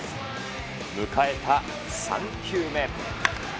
迎えた３球目。